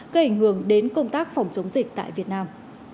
gây ảnh hưởng đến công tác phòng chống dịch tại việt nam